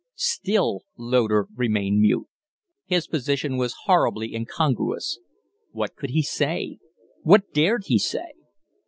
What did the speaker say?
Still Loder remained mute. His position was horribly incongruous. What could he say? What dared he say?